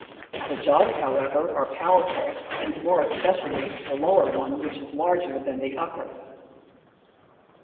The jaws, however, are powerful, and more especially the lower one, which is larger than the upper.